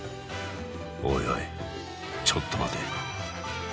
おいおいちょっと待て。